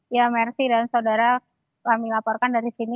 ya mercy dan saudara kami laporkan dari sini